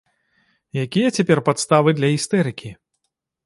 Якія цяпер падставы для істэрыкі?